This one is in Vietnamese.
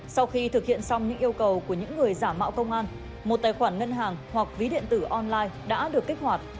sau khi thực hiện xong những yêu cầu của những người giả mạo công an một tài khoản ngân hàng hoặc ví điện tử online đã được kích hoạt